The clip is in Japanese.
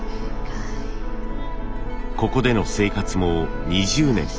ここでの生活も２０年。